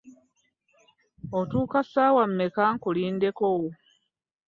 Otuuka ssaawa mmeka nkulindeko?